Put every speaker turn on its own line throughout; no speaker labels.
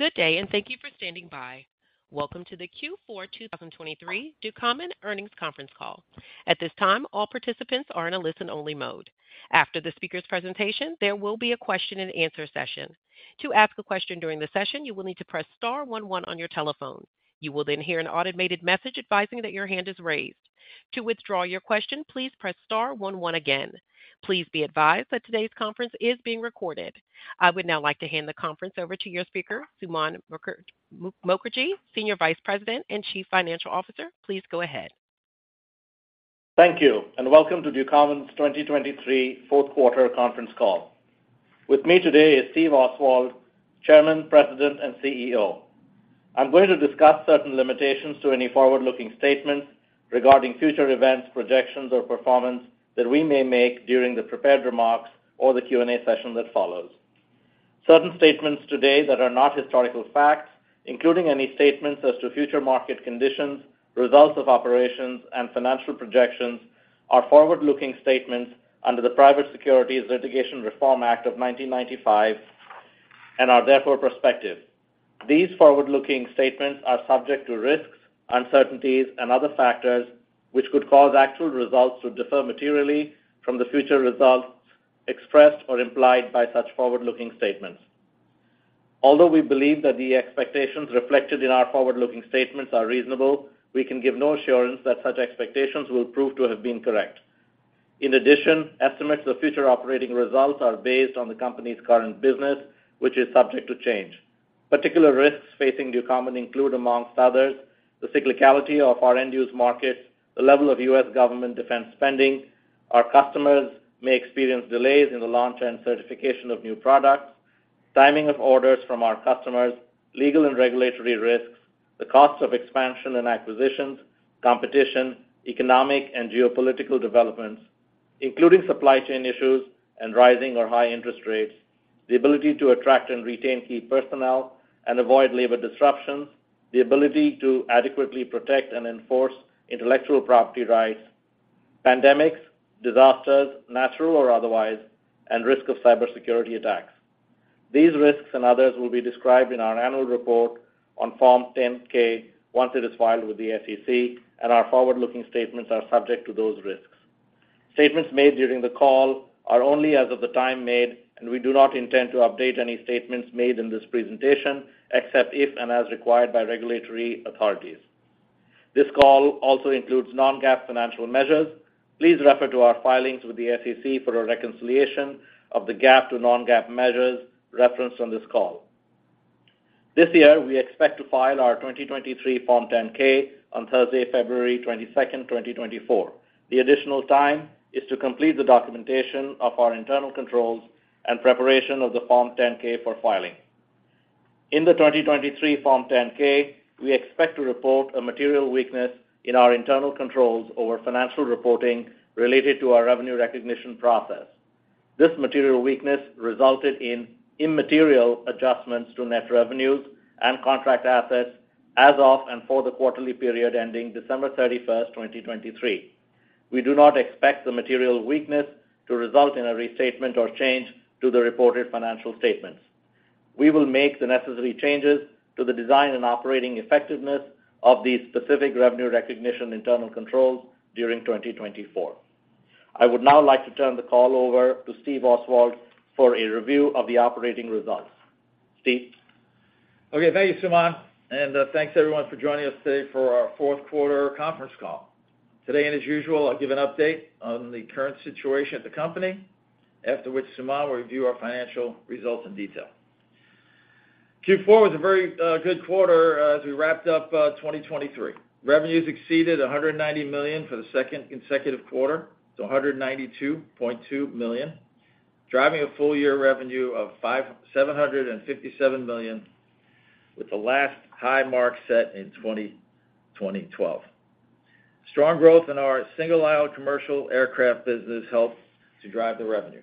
Good day and thank you for standing by. Welcome to the Q4 2023 Ducommun earnings conference call. At this time, all participants are in a listen-only mode. After the speaker's presentation, there will be a question-and-answer session. To ask a question during the session, you will need to press star one one on your telephone. You will then hear an automated message advising that your hand is raised. To withdraw your question, please press star one one again. Please be advised that today's conference is being recorded. I would now like to hand the conference over to your speaker, Suman Mookerji, Senior Vice President and Chief Financial Officer. Please go ahead.
Thank you and welcome to Ducommun's 2023 fourth quarter conference call. With me today is Steve Oswald, Chairman, President, and CEO. I'm going to discuss certain limitations to any forward-looking statements regarding future events, projections, or performance that we may make during the prepared remarks or the Q&A session that follows. Certain statements today that are not historical facts, including any statements as to future market conditions, results of operations, and financial projections, are forward-looking statements under the Private Securities Litigation Reform Act of 1995 and are therefore prospective. These forward-looking statements are subject to risks, uncertainties, and other factors which could cause actual results to differ materially from the future results expressed or implied by such forward-looking statements. Although we believe that the expectations reflected in our forward-looking statements are reasonable, we can give no assurance that such expectations will prove to have been correct. In addition, estimates of future operating results are based on the company's current business, which is subject to change. Particular risks facing Ducommun include, amongst others, the cyclicality of our end-use markets, the level of U.S. government defense spending, our customers may experience delays in the launch and certification of new products, timing of orders from our customers, legal and regulatory risks, the cost of expansion and acquisitions, competition, economic and geopolitical developments, including supply chain issues and rising or high interest rates, the ability to attract and retain key personnel and avoid labor disruptions, the ability to adequately protect and enforce intellectual property rights, pandemics, disasters, natural or otherwise, and risk of cybersecurity attacks. These risks and others will be described in our annual report on Form 10-K once it is filed with the SEC, and our forward-looking statements are subject to those risks. Statements made during the call are only as of the time made, and we do not intend to update any statements made in this presentation except if and as required by regulatory authorities. This call also includes non-GAAP financial measures. Please refer to our filings with the SEC for a reconciliation of the GAAP to non-GAAP measures referenced on this call. This year, we expect to file our 2023 Form 10-K on Thursday, February 22nd, 2024. The additional time is to complete the documentation of our internal controls and preparation of the Form 10-K for filing. In the 2023 Form 10-K, we expect to report a material weakness in our internal controls over financial reporting related to our revenue recognition process. This material weakness resulted in immaterial adjustments to net revenues and contract assets as of and for the quarterly period ending December 31st, 2023. We do not expect the material weakness to result in a restatement or change to the reported financial statements. We will make the necessary changes to the design and operating effectiveness of these specific revenue recognition internal controls during 2024. I would now like to turn the call over to Steve Oswald for a review of the operating results. Steve?
Okay. Thank you, Suman. Thanks, everyone, for joining us today for our fourth quarter conference call. Today, and as usual, I'll give an update on the current situation at the company, after which Suman will review our financial results in detail. Q4 was a very good quarter as we wrapped up 2023. Revenues exceeded $190 million for the second consecutive quarter, so $192.2 million, driving a full-year revenue of $757 million, with the last high mark set in 2012. Strong growth in our single-aisle commercial aircraft business helped to drive the revenue.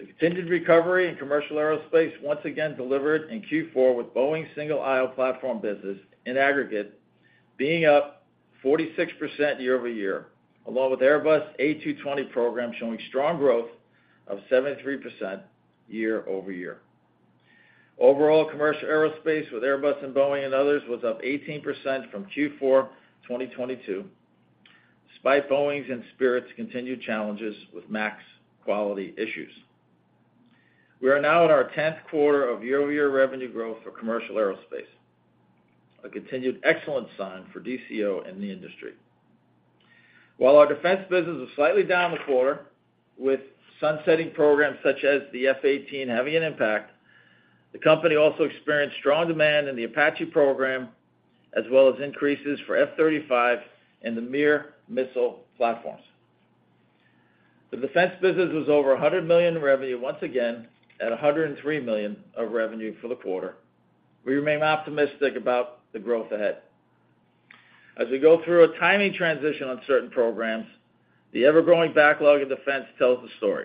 The continued recovery in commercial aerospace once again delivered in Q4 with Boeing's single-aisle platform business in aggregate being up 46% year-over-year, along with Airbus' A220 program showing strong growth of 73% year-over-year. Overall, commercial aerospace with Airbus and Boeing and others was up 18% from Q4 2022, despite Boeing's and Spirit's continued challenges with MAX quality issues. We are now in our 10th quarter of year-over-year revenue growth for commercial aerospace, a continued excellence sign for DCO in the industry. While our defense business was slightly down the quarter with sunsetting programs such as the F-18 having an impact, the company also experienced strong demand in the Apache program as well as increases for F-35 and the MIR missile platforms. The defense business was over $100 million in revenue once again at $103 million of revenue for the quarter. We remain optimistic about the growth ahead. As we go through a timing transition on certain programs, the ever-growing backlog in defense tells the story,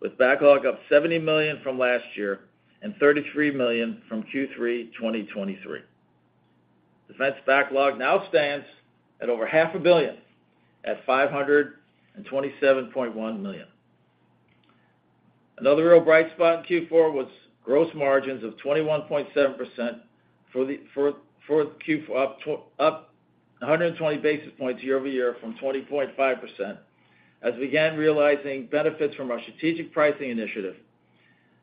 with backlog up $70 million from last year and $33 million from Q3 2023. Defense backlog now stands at over $500 million, at $527.1 million. Another real bright spot in Q4 was gross margins of 21.7%, up 120 basis points year-over-year from 20.5%, as we began realizing benefits from our strategic pricing initiative,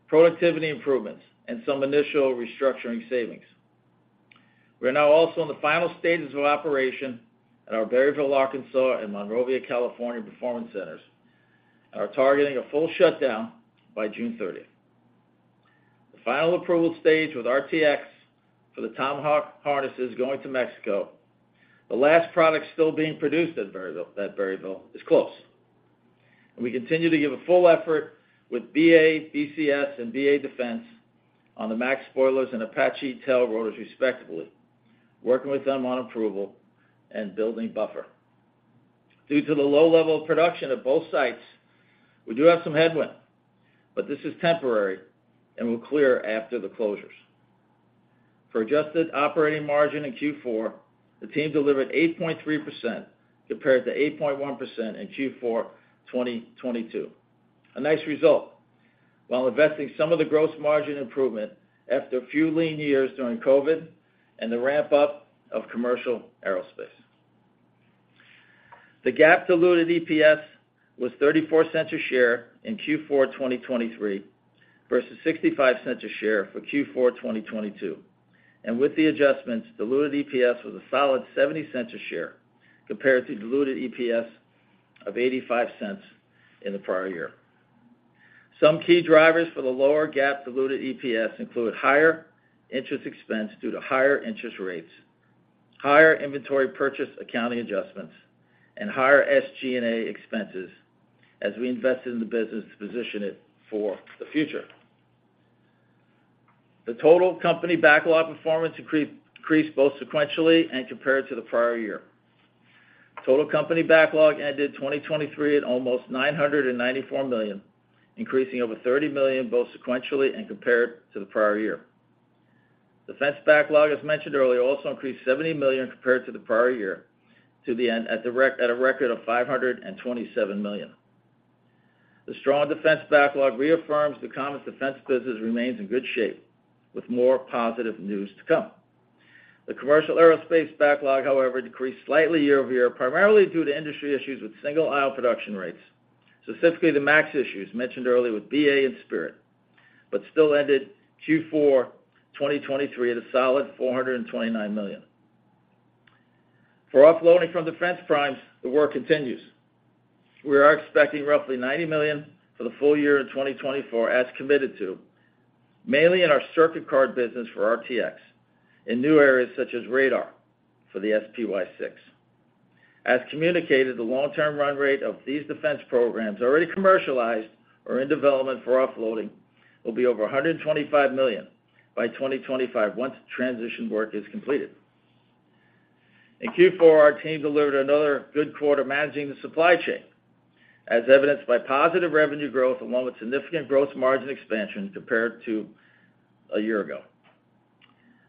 productivity improvements, and some initial restructuring savings. We are now also in the final stages of operation at our Berryville, Arkansas, and Monrovia, California performance centers, and are targeting a full shutdown by June 30th. The final approval stage with RTX for the Tomahawk harnesses going to Mexico, the last product still being produced at Berryville, is close. We continue to give a full effort with BA, BCS, and BA Defense on the MAX spoilers and Apache tail rotors, respectively, working with them on approval and building buffer. Due to the low level of production at both sites, we do have some headwind, but this is temporary and will clear after the closures. For adjusted operating margin in Q4, the team delivered 8.3% compared to 8.1% in Q4 2022, a nice result while investing some of the gross margin improvement after a few lean years during COVID and the ramp-up of commercial aerospace. The GAAP diluted EPS was $0.34 a share in Q4 2023 versus $0.65 a share for Q4 2022. With the adjustments, diluted EPS was a solid $0.70 a share compared to diluted EPS of $0.85 in the prior year. Some key drivers for the lower GAAP diluted EPS include higher interest expense due to higher interest rates, higher inventory purchase accounting adjustments, and higher SG&A expenses as we invested in the business to position it for the future. The total company backlog performance increased both sequentially and compared to the prior year. Total company backlog ended 2023 at almost $994 million, increasing over $30 million both sequentially and compared to the prior year. Defense backlog, as mentioned earlier, also increased $70 million compared to the prior year at a record of $527 million. The strong defense backlog reaffirms Ducommun's defense business remains in good shape, with more positive news to come. The commercial aerospace backlog, however, decreased slightly year-over-year, primarily due to industry issues with single-aisle production rates, specifically the MAX issues mentioned earlier with BA and Spirit, but still ended Q4 2023 at a solid $429 million. For offloading from defense primes, the work continues. We are expecting roughly $90 million for the full year in 2024 as committed to, mainly in our circuit card business for RTX in new areas such as radar for the SPY-6. As communicated, the long-term run rate of these defense programs already commercialized or in development for offloading will be over $125 million by 2025 once transition work is completed. In Q4, our team delivered another good quarter managing the supply chain, as evidenced by positive revenue growth along with significant gross margin expansion compared to a year ago.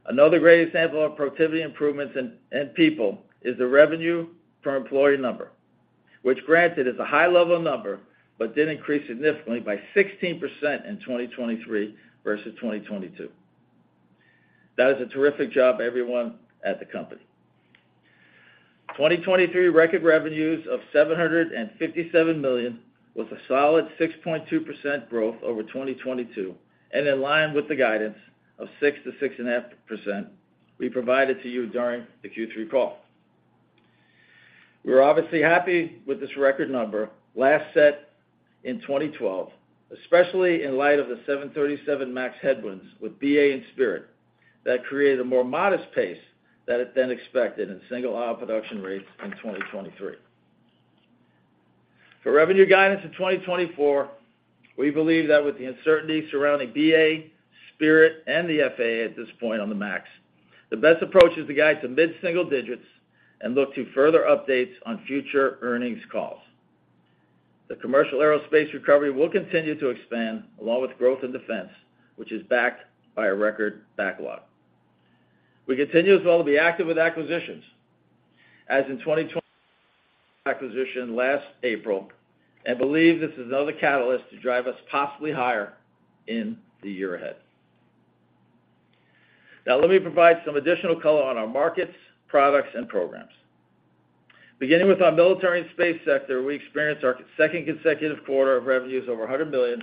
Another great example of productivity improvements and people is the revenue per employee number, which, granted, is a high-level number but did increase significantly by 16% in 2023 versus 2022. That is a terrific job, everyone, at the company. 2023 record revenues of $757 million was a solid 6.2% growth over 2022, and in line with the guidance of 6%-6.5% we provided to you during the Q3 call. We were obviously happy with this record number last set in 2012, especially in light of the 737 MAX headwinds with BA and Spirit that created a more modest pace than expected in single-aisle production rates in 2023. For revenue guidance in 2024, we believe that with the uncertainty surrounding BA, Spirit, and the FAA at this point on the MAX, the best approach is to guide to mid-single digits and look to further updates on future earnings calls. The commercial aerospace recovery will continue to expand along with growth in defense, which is backed by a record backlog. We continue as well to be active with acquisitions, as in 2023, we had an acquisition last April and believe this is another catalyst to drive us possibly higher in the year ahead. Now, let me provide some additional color on our markets, products, and programs. Beginning with our military and space sector, we experienced our second consecutive quarter of revenues over $100 million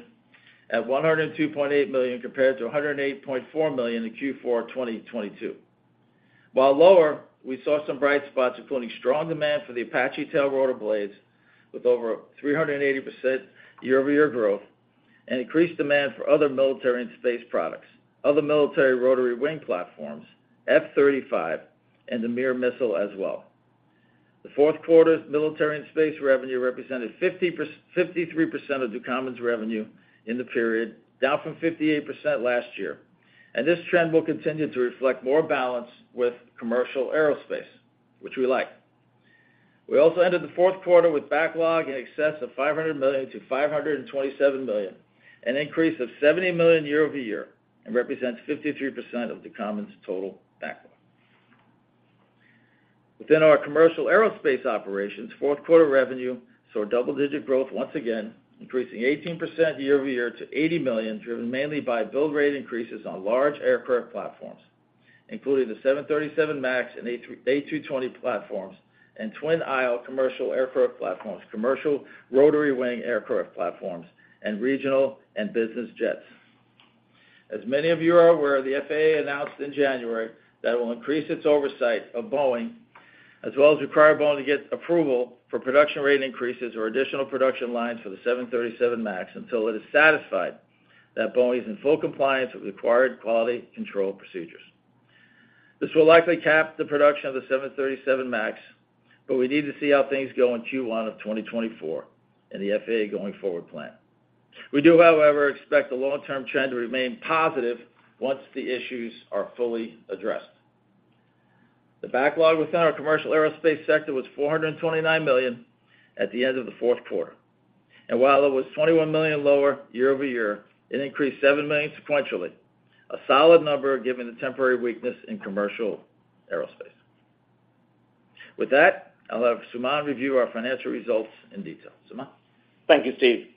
at $102.8 million compared to $108.4 million in Q4 2022. While lower, we saw some bright spots, including strong demand for the Apache tail rotor blades with over 380% year-over-year growth and increased demand for other military and space products, other military rotary wing platforms, F-35, and the MIR missile as well. The fourth quarter's military and space revenue represented 53% of Ducommun's revenue in the period, down from 58% last year. This trend will continue to reflect more balance with commercial aerospace, which we like. We also ended the fourth quarter with backlog in excess of $500 million-$527 million, an increase of $70 million year-over-year and represents 53% of Ducommun's total backlog. Within our commercial aerospace operations, fourth quarter revenue saw double-digit growth once again, increasing 18% year-over-year to $80 million, driven mainly by build rate increases on large aircraft platforms, including the 737 MAX and A220 platforms and twin-aisle commercial aircraft platforms, commercial rotary wing aircraft platforms, and regional and business jets. As many of you are aware, the FAA announced in January that it will increase its oversight of Boeing as well as require Boeing to get approval for production rate increases or additional production lines for the 737 MAX until it is satisfied that Boeing is in full compliance with required quality control procedures. This will likely cap the production of the 737 MAX, but we need to see how things go in Q1 of 2024 and the FAA going forward plan. We do, however, expect the long-term trend to remain positive once the issues are fully addressed. The backlog within our commercial aerospace sector was $429 million at the end of the fourth quarter. While it was $21 million lower year-over-year, it increased $7 million sequentially, a solid number given the temporary weakness in commercial aerospace. With that, I'll have Suman review our financial results in detail. Suman?
Thank you, Steve.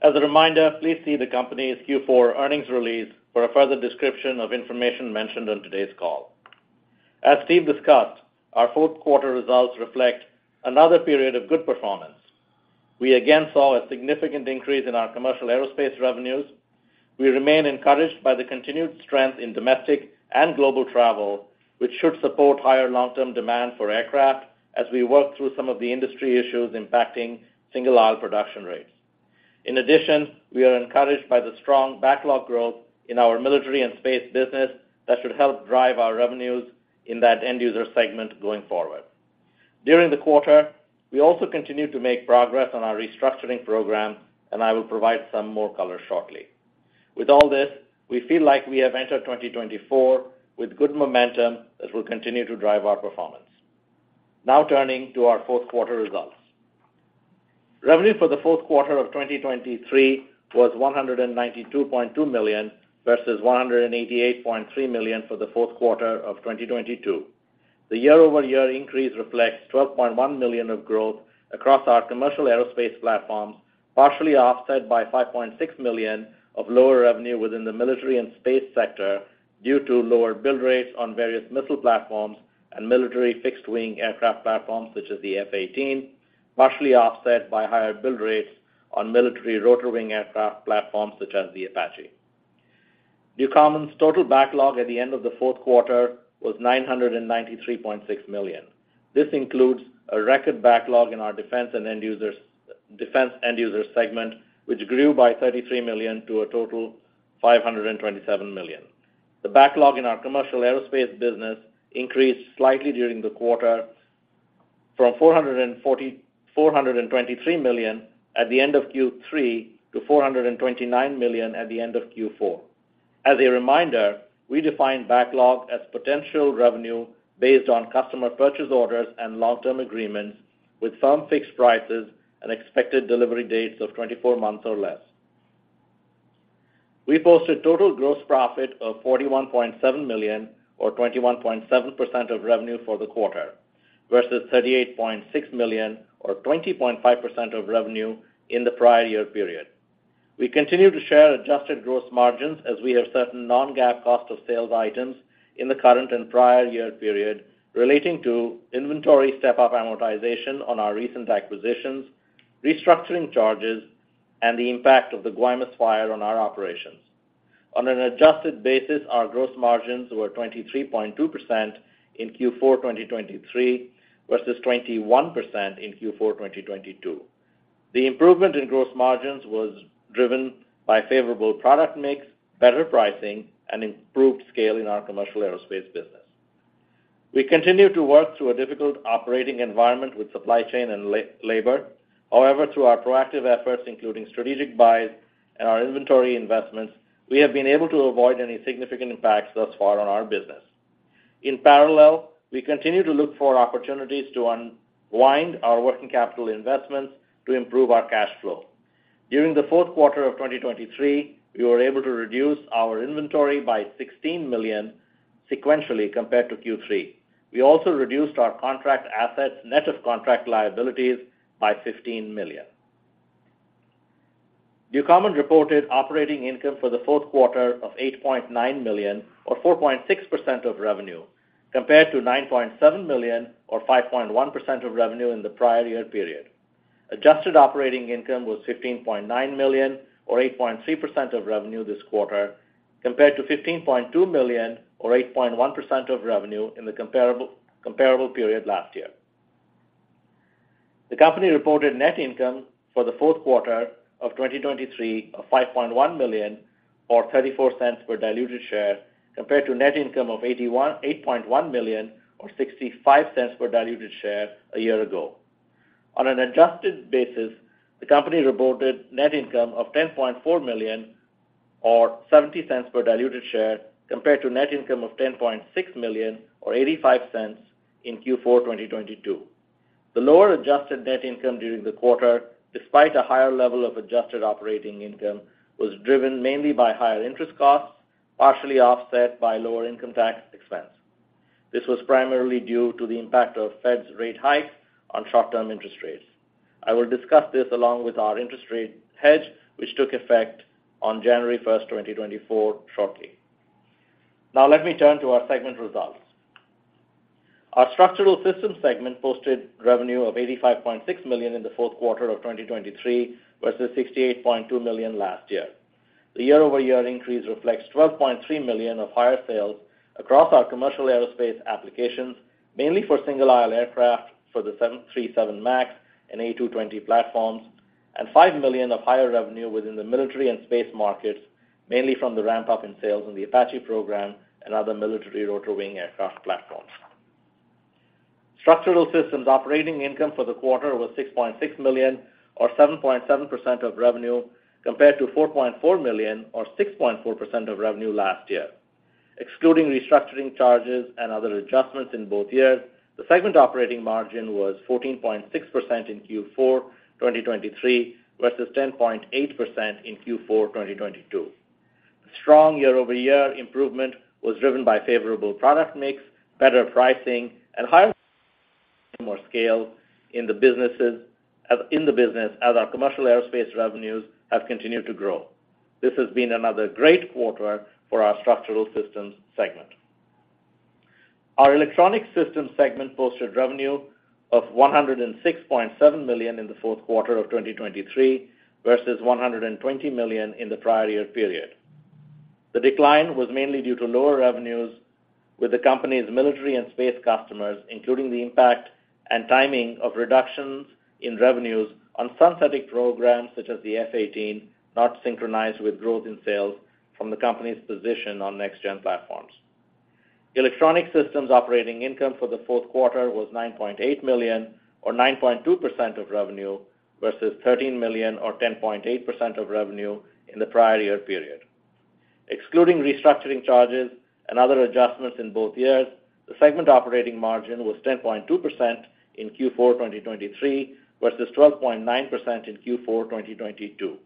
As a reminder, please see the company's Q4 earnings release for a further description of information mentioned on today's call. As Steve discussed, our fourth quarter results reflect another period of good performance. We again saw a significant increase in our commercial aerospace revenues. We remain encouraged by the continued strength in domestic and global travel, which should support higher long-term demand for aircraft as we work through some of the industry issues impacting single-aisle production rates. In addition, we are encouraged by the strong backlog growth in our military and space business that should help drive our revenues in that end-user segment going forward. During the quarter, we also continue to make progress on our restructuring program, and I will provide some more color shortly. With all this, we feel like we have entered 2024 with good momentum that will continue to drive our performance. Now turning to our fourth quarter results. Revenue for the fourth quarter of 2023 was $192.2 million versus $188.3 million for the fourth quarter of 2022. The year-over-year increase reflects $12.1 million of growth across our commercial aerospace platforms, partially offset by $5.6 million of lower revenue within the military and space sector due to lower build rates on various missile platforms and military fixed-wing aircraft platforms such as the F-18, partially offset by higher build rates on military rotor wing aircraft platforms such as the Apache. Ducommun's total backlog at the end of the fourth quarter was $993.6 million. This includes a record backlog in our defense and end-user segment, which grew by $33 million to a total of $527 million. The backlog in our commercial aerospace business increased slightly during the quarter from $423 million at the end of Q3 to $429 million at the end of Q4. As a reminder, we define backlog as potential revenue based on customer purchase orders and long-term agreements with firm fixed prices and expected delivery dates of 24 months or less. We posted total gross profit of $41.7 million or 21.7% of revenue for the quarter versus $38.6 million or 20.5% of revenue in the prior year period. We continue to share adjusted gross margins as we have certain non-GAAP cost of sales items in the current and prior year period relating to inventory step-up amortization on our recent acquisitions, restructuring charges, and the impact of the Guaymas fire on our operations. On an adjusted basis, our gross margins were 23.2% in Q4 2023 versus 21% in Q4 2022. The improvement in gross margins was driven by favorable product mix, better pricing, and improved scale in our commercial aerospace business. We continue to work through a difficult operating environment with supply chain and labor. However, through our proactive efforts, including strategic buys and our inventory investments, we have been able to avoid any significant impacts thus far on our business. In parallel, we continue to look for opportunities to unwind our working capital investments to improve our cash flow. During the fourth quarter of 2023, we were able to reduce our inventory by $16 million sequentially compared to Q3. We also reduced our contract assets, net of contract liabilities, by $15 million. Ducommun reported operating income for the fourth quarter of $8.9 million or 4.6% of revenue compared to $9.7 million or 5.1% of revenue in the prior year period. Adjusted operating income was $15.9 million or 8.3% of revenue this quarter compared to $15.2 million or 8.1% of revenue in the comparable period last year. The company reported net income for the fourth quarter of 2023 of $5.1 million or $0.34 per diluted share compared to net income of $8.1 million or $0.65 per diluted share a year ago. On an adjusted basis, the company reported net income of $10.4 million or $0.70 per diluted share compared to net income of $10.6 million or $0.85 in Q4 2022. The lower adjusted net income during the quarter, despite a higher level of adjusted operating income, was driven mainly by higher interest costs, partially offset by lower income tax expense. This was primarily due to the impact of Fed's rate hikes on short-term interest rates. I will discuss this along with our interest rate hedge, which took effect on January 1st, 2024, shortly. Now, let me turn to our segment results. Our Structural System segment posted revenue of $85.6 million in the fourth quarter of 2023 versus $68.2 million last year. The year-over-year increase reflects $12.3 million of higher sales across our commercial aerospace applications, mainly for single-aisle aircraft for the 737 MAX and A220 platforms, and $5 million of higher revenue within the military and space markets, mainly from the ramp-up in sales in the Apache program and other military rotor wing aircraft platforms. Structural Systems operating income for the quarter was $6.6 million or 7.7% of revenue compared to $4.4 million or 6.4% of revenue last year. Excluding restructuring charges and other adjustments in both years, the segment operating margin was 14.6% in Q4 2023 versus 10.8% in Q4 2022. Strong year-over-year improvement was driven by favorable product mix, better pricing, and higher scale in the business as our commercial aerospace revenues have continued to grow. This has been another great quarter for our Structural Systems segment. Our Electronic Systems segment posted revenue of $106.7 million in the fourth quarter of 2023 versus $120 million in the prior year period. The decline was mainly due to lower revenues with the company's military and space customers, including the impact and timing of reductions in revenues on sunsetting programs such as the F-18 not synchronized with growth in sales from the company's position on next-gen platforms. Electronic Systems operating income for the fourth quarter was $9.8 million or 9.2% of revenue versus $13 million or 10.8% of revenue in the prior year period. Excluding restructuring charges and other adjustments in both years, the segment operating margin was 10.2% in Q4 2023 versus 12.9% in Q4 2022.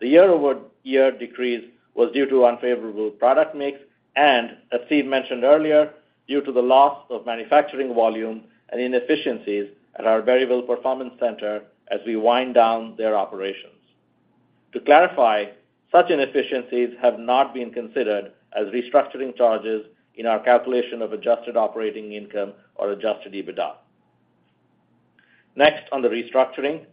The year-over-year decrease was due to unfavorable product mix and, as Steve mentioned earlier, due to the loss of manufacturing volume and inefficiencies at our Berryville performance center as we wind down their operations. To clarify, such inefficiencies have not been considered as restructuring charges in our calculation of adjusted operating income or Adjusted EBITDA. Next, on the restructuring.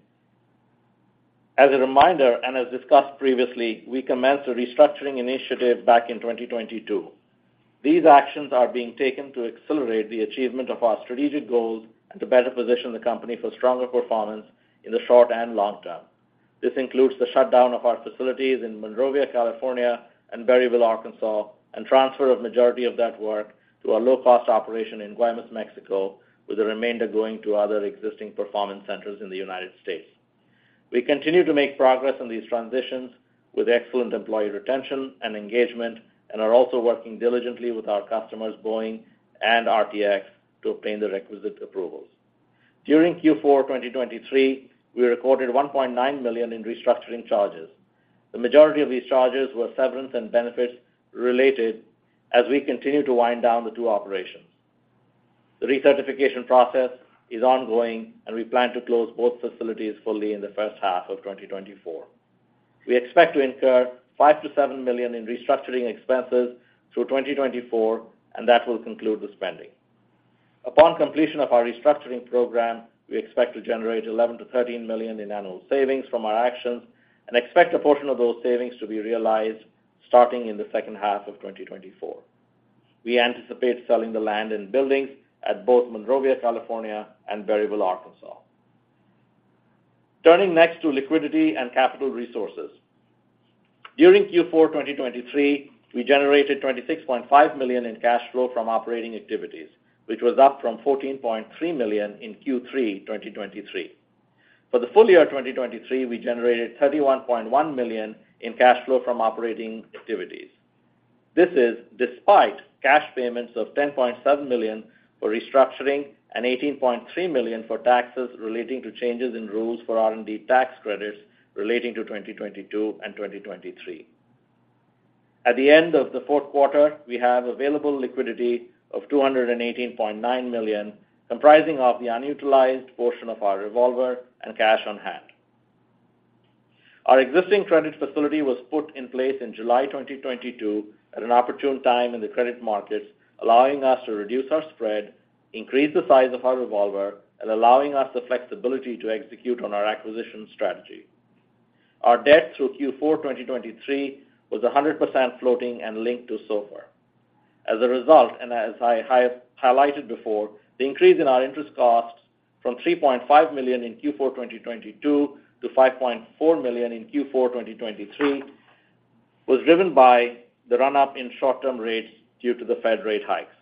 As a reminder and as discussed previously, we commenced a restructuring initiative back in 2022. These actions are being taken to accelerate the achievement of our strategic goals and to better position the company for stronger performance in the short and long term. This includes the shutdown of our facilities in Monrovia, California, and Berryville, Arkansas, and transfer of the majority of that work to our low-cost operation in Guaymas, Mexico, with the remainder going to other existing performance centers in the United States. We continue to make progress in these transitions with excellent employee retention and engagement and are also working diligently with our customers, Boeing and RTX, to obtain the requisite approvals. During Q4 2023, we recorded $1.9 million in restructuring charges. The majority of these charges were severance and benefits related as we continue to wind down the two operations. The recertification process is ongoing, and we plan to close both facilities fully in the first half of 2024. We expect to incur $5 million-$7 million in restructuring expenses through 2024, and that will conclude the spending. Upon completion of our restructuring program, we expect to generate $11 million-$13 million in annual savings from our actions and expect a portion of those savings to be realized starting in the second half of 2024. We anticipate selling the land and buildings at both Monrovia, California, and Berryville, Arkansas. Turning next to liquidity and capital resources. During Q4 2023, we generated $26.5 million in cash flow from operating activities, which was up from $14.3 million in Q3 2023. For the full year 2023, we generated $31.1 million in cash flow from operating activities. This is despite cash payments of $10.7 million for restructuring and $18.3 million for taxes relating to changes in rules for R&D tax credits relating to 2022 and 2023. At the end of the fourth quarter, we have available liquidity of $218.9 million, comprising of the unutilized portion of our revolver and cash on hand. Our existing credit facility was put in place in July 2022 at an opportune time in the credit markets, allowing us to reduce our spread, increase the size of our revolver, and allowing us the flexibility to execute on our acquisition strategy. Our debt through Q4 2023 was 100% floating and linked to SOFR. As a result, and as I highlighted before, the increase in our interest costs from $3.5 million in Q4 2022 to $5.4 million in Q4 2023 was driven by the run-up in short-term rates due to the Fed rate hikes.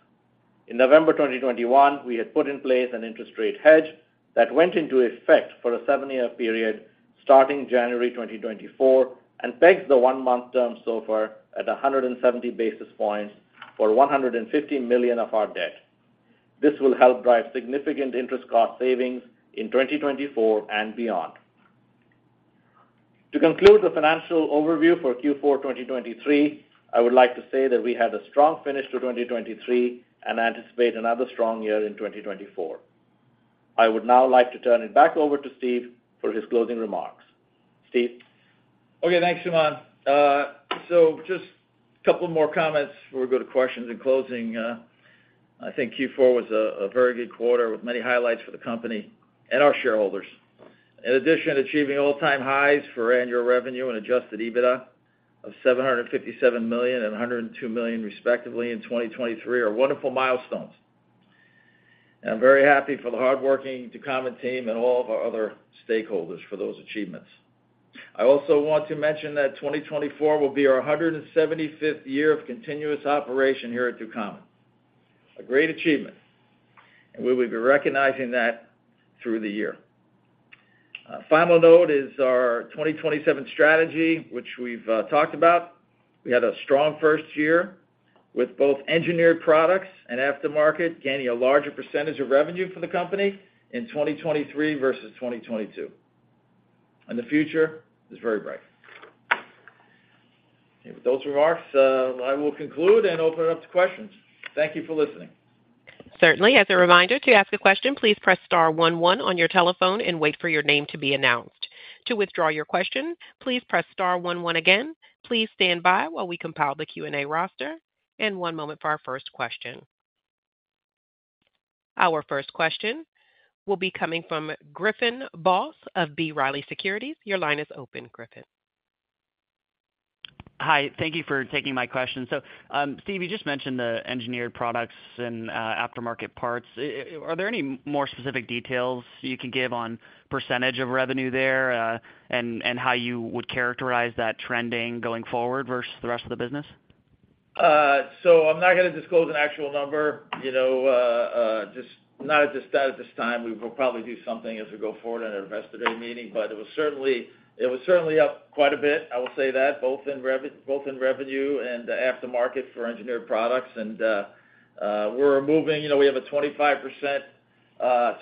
In November 2021, we had put in place an interest rate hedge that went into effect for a seven-year period starting January 2024 and pegs the one-month term SOFR at 170 basis points for $150 million of our debt. This will help drive significant interest cost savings in 2024 and beyond. To conclude the financial overview for Q4 2023, I would like to say that we had a strong finish to 2023 and anticipate another strong year in 2024. I would now like to turn it back over to Steve for his closing remarks. Steve.
Okay. Thanks, Suman. So just a couple more comments before we go to questions in closing. I think Q4 was a very good quarter with many highlights for the company and our shareholders. In addition, achieving all-time highs for annual revenue and Adjusted EBITDA of $757 million and $102 million, respectively, in 2023 are wonderful milestones. And I'm very happy for the hardworking Ducommun team and all of our other stakeholders for those achievements. I also want to mention that 2024 will be our 175th year of continuous operation here at Ducommun. A great achievement, and we will be recognizing that through the year. Final note is our 2027 strategy, which we've talked about. We had a strong first year with both engineered products and aftermarket gaining a larger percentage of revenue for the company in 2023 versus 2022. And the future is very bright. With those remarks, I will conclude and open it up to questions. Thank you for listening.
Certainly. As a reminder, to ask a question, please press star one one on your telephone and wait for your name to be announced. To withdraw your question, please press star one one again. Please stand by while we compile the Q&A roster. One moment for our first question. Our first question will be coming from Griffin Boss of B. Riley Securities. Your line is open, Griffin.
Hi. Thank you for taking my question. Steve, you just mentioned the engineered products and aftermarket parts. Are there any more specific details you can give on percentage of revenue there and how you would characterize that trending going forward versus the rest of the business?
So I'm not going to disclose an actual number. Just not at this time. We will probably do something as we go forward in our investor day meeting. But it was certainly up quite a bit, I will say that, both in revenue and aftermarket for engineered products. And we're moving, we have a 25%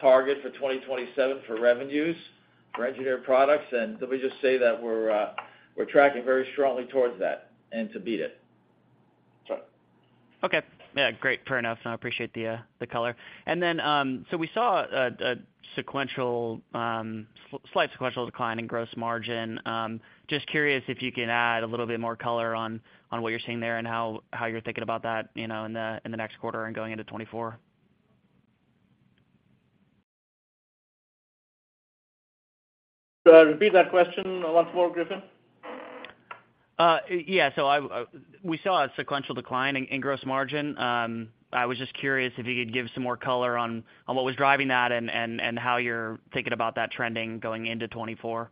target for 2027 for revenues for engineered products. And let me just say that we're tracking very strongly towards that and to beat it.
Sure. Okay. Yeah. Great. Fair enough. I appreciate the color. And then so we saw a slight sequential decline in gross margin. Just curious if you can add a little bit more color on what you're seeing there and how you're thinking about that in the next quarter and going into 2024.
Repeat that question once more, Griffin.
Yeah. So we saw a sequential decline in gross margin. I was just curious if you could give some more color on what was driving that and how you're thinking about that trending going into 2024.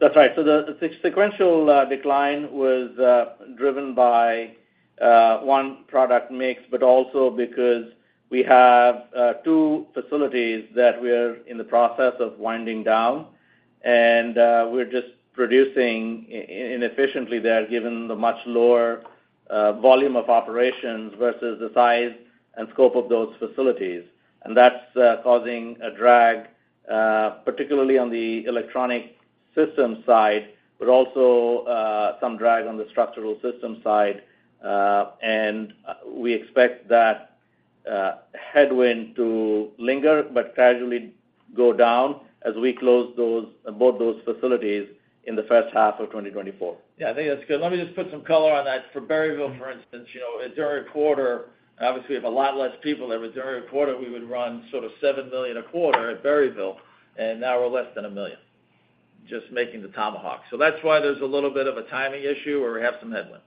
That's right. So the sequential decline was driven by one product mix, but also because we have two facilities that we're in the process of winding down. And we're just producing inefficiently there given the much lower volume of operations versus the size and scope of those facilities. And that's causing a drag, particularly on the Electronic System side, but also some drag on the Structural System side. And we expect that headwind to linger but gradually go down as we close both those facilities in the first half of 2024.
Yeah. I think that's good. Let me just put some color on that. For Berryville, for instance, during a quarter obviously, we have a lot less people. But during a quarter, we would run sort of $7 million a quarter at Berryville. And now we're less than $1 million, just making the Tomahawk. So that's why there's a little bit of a timing issue where we have some headwind.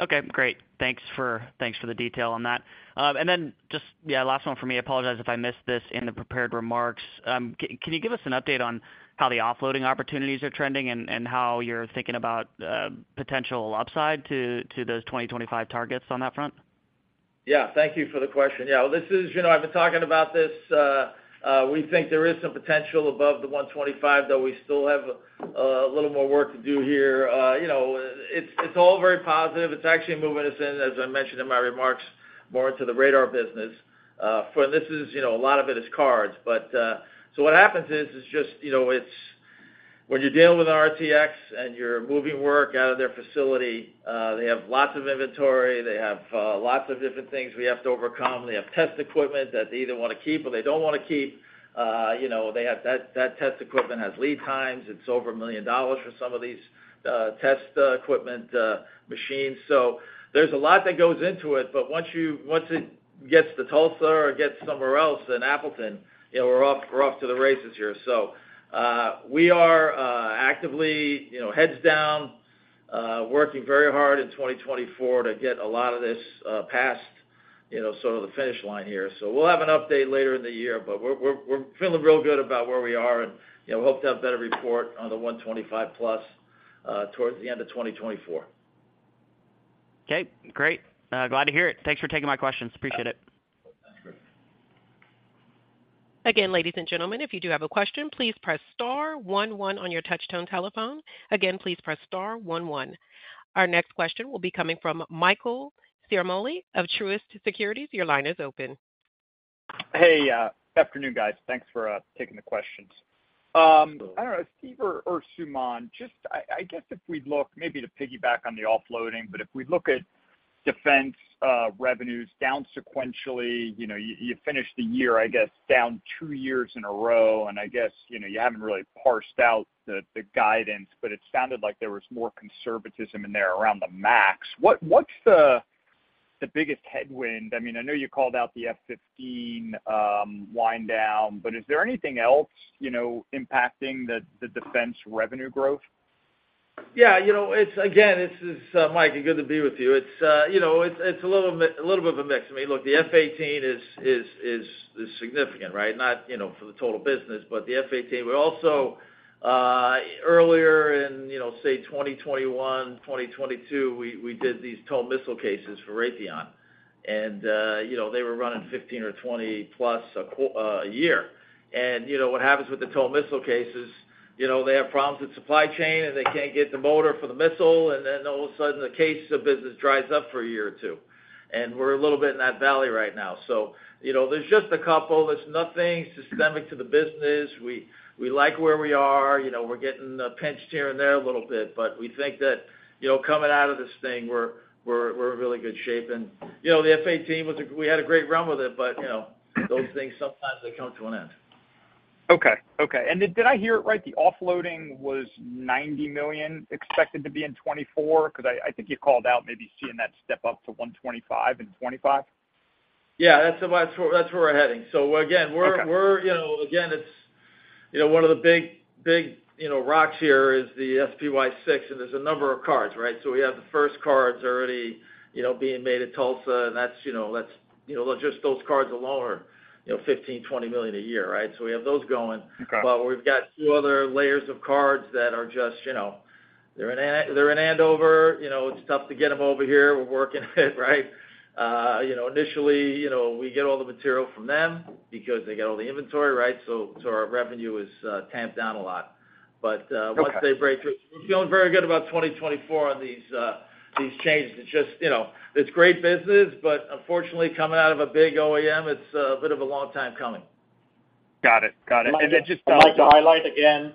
Okay. Great. Thanks for the detail on that. And then just, yeah, last one for me. I apologize if I missed this in the prepared remarks. Can you give us an update on how the offloading opportunities are trending and how you're thinking about potential upside to those 2025 targets on that front?
Yeah. Thank you for the question. Yeah. Well, this is I've been talking about this. We think there is some potential above the 125, though we still have a little more work to do here. It's all very positive. It's actually moving us in, as I mentioned in my remarks, more into the radar business. And a lot of it is cards. But so what happens is just it's when you're dealing with an RTX and you're moving work out of their facility, they have lots of inventory. They have lots of different things we have to overcome. They have test equipment that they either want to keep or they don't want to keep. That test equipment has lead times. It's over $1 million for some of these test equipment machines. So there's a lot that goes into it. But once it gets to Tulsa or gets somewhere else in Appleton, we're off to the races here. So we are actively heads down, working very hard in 2024 to get a lot of this past sort of the finish line here. So we'll have an update later in the year. But we're feeling real good about where we are, and we hope to have a better report on the 125+ towards the end of 2024.
Okay. Great. Glad to hear it. Thanks for taking my questions. Appreciate it.
Again, ladies and gentlemen, if you do have a question, please press star one one on your touch-tone telephone. Again, please press star one one. Our next question will be coming from Michael Ciarmoli of Truist Securities. Your line is open.
Hey. Afternoon, guys. Thanks for taking the questions. I don't know. Steve or Suman, just I guess if we look maybe to piggyback on the offloading, but if we look at defense revenues down sequentially, you finished the year, I guess, down two years in a row. And I guess you haven't really parsed out the guidance, but it sounded like there was more conservatism in there around the max. What's the biggest headwind? I mean, I know you called out the F-15 winddown, but is there anything else impacting the defense revenue growth?
Yeah. Again, this is Mike. Good to be with you. It's a little bit of a mix. I mean, look, the F-18 is significant, right, not for the total business, but the F-18. We also, earlier in, say, 2021, 2022, we did these TOW missile cases for Raytheon. And they were running 15 or 20+ a year. And what happens with the TOW missile cases, they have problems with supply chain, and they can't get the motor for the missile. And then all of a sudden, the case of business dries up for a year or two. And we're a little bit in that valley right now. So there's just a couple. There's nothing systemic to the business. We like where we are. We're getting pinched here and there a little bit. But we think that coming out of this thing, we're in really good shape. The F-18 was. We had a great run with it, but those things sometimes come to an end.
Okay. Okay. Did I hear it right? The offloading was $90 million expected to be in 2024? Because I think you called out maybe seeing that step up to $125 million in 2025.
Yeah. That's where we're heading. So again, we're, it's one of the big rocks here is the SPY-6. And there's a number of cards, right? So we have the first cards already being made at Tulsa. And that's just those cards alone are $15 million-$20 million a year, right? So we have those going. But we've got two other layers of cards that are just they're in Andover. It's tough to get them over here. We're working it, right? Initially, we get all the material from them because they got all the inventory, right? So our revenue is tamped down a lot. But once they break through, we're feeling very good about 2024 on these changes. It's just great business, but unfortunately, coming out of a big OEM, it's a bit of a long time coming.
Got it. Got it. And then just.
Mike, to highlight again,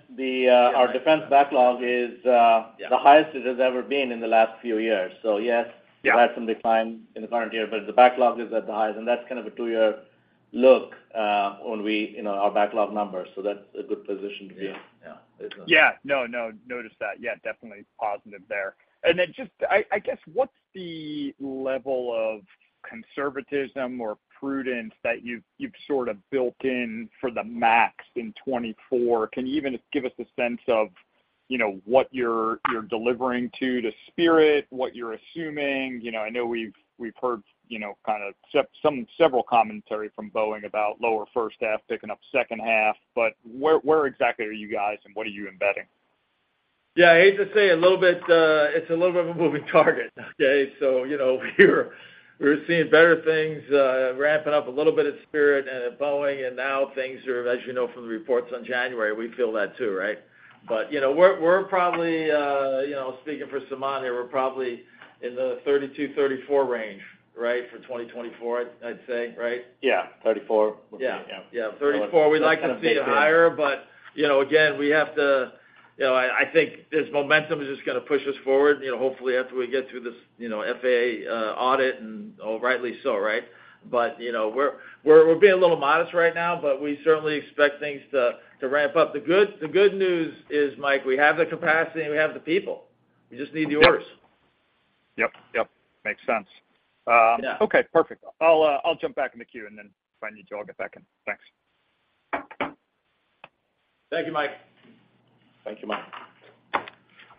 our defense backlog is the highest it has ever been in the last few years. So yes, we've had some decline in the current year, but the backlog is at the highest. And that's kind of a two-year look on our backlog numbers. So that's a good position to be in.
Yeah. No, no. Noticed that. Yeah. Definitely positive there. And then just, I guess, what's the level of conservatism or prudence that you've sort of built in for the MAX in 2024? Can you even give us a sense of what you're delivering to Spirit, what you're assuming? I know we've heard kind of several commentary from Boeing about lower first half, picking up second half. But where exactly are you guys, and what are you embedding?
Yeah. I hate to say it a little bit it's a little bit of a moving target, okay? So we were seeing better things, ramping up a little bit of Spirit at Boeing. And now things are as you know from the reports on January, we feel that too, right? But we're probably speaking for Suman here, we're probably in the 32-34 range, right, for 2024, I'd say, right?
Yeah. 34. Yeah.
Yeah. 34. We'd like to see a higher, but again, we have to, I think this momentum is just going to push us forward, hopefully, after we get through this FAA audit and rightly so, right? But we're being a little modest right now, but we certainly expect things to ramp up. The good news is, Mike, we have the capacity. We have the people. We just need the orders.
Yep. Yep. Makes sense. Okay. Perfect. I'll jump back in the queue, and then if I need to, I'll get back in. Thanks.
Thank you, Mike.
Thank you, Mike.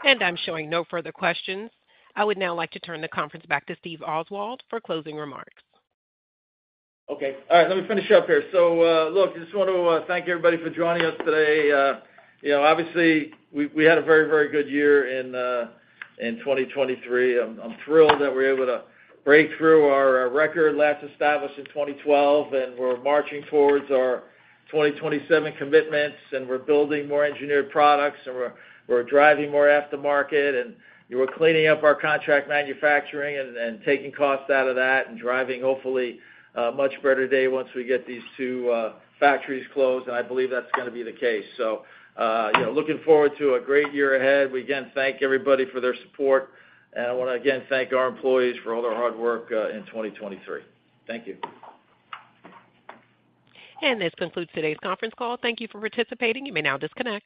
I'm showing no further questions. I would now like to turn the conference back to Steve Oswald for closing remarks.
Okay. All right. Let me finish up here. So look, I just want to thank everybody for joining us today. Obviously, we had a very, very good year in 2023. I'm thrilled that we're able to break through our record last established in 2012. And we're marching towards our 2027 commitments. And we're building more engineered products. And we're driving more aftermarket. And we're cleaning up our contract manufacturing and taking costs out of that and driving, hopefully, a much better day once we get these two factories closed. And I believe that's going to be the case. So looking forward to a great year ahead. We, again, thank everybody for their support. And I want to, again, thank our employees for all their hard work in 2023. Thank you.
This concludes today's conference call. Thank you for participating. You may now disconnect.